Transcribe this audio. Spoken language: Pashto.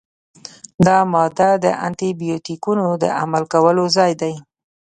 دا ماده د انټي بیوټیکونو د عمل کولو ځای دی.